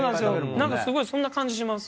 何かすごいそんな感じします。